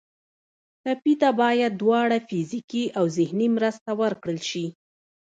ټپي ته باید دواړه فزیکي او ذهني مرسته ورکړل شي.